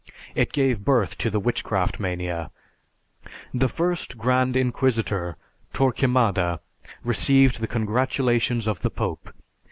It gave birth to the Witchcraft Mania. The first Grand Inquisitor, Torquemada, received the congratulations of the Pope.